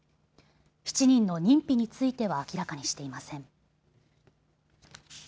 ７人の認否については明らかにしていません。